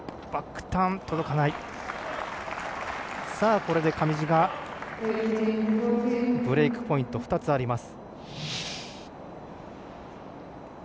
これで上地がブレークポイント２つあります。